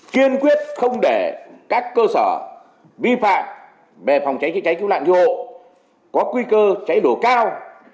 kiên quyết không để các cơ sở vi phạm về phòng cháy chữa cháy cứu nạn cứu hộ có nguy cơ cháy nổ cao